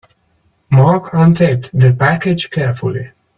Mark untaped the package carefully.